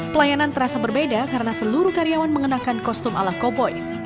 pelayanan terasa berbeda karena seluruh karyawan mengenakan kostum ala koboi